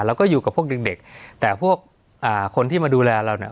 แล้วก็อยู่กับพวกเด็กเด็กแต่พวกอ่าคนที่มาดูแลเราเนี่ย